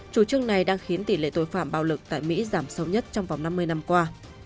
chủ trương này đang khiến tỷ lệ tội phạm bạo lực tại mỹ giảm sâu nhất trong vòng năm mươi năm qua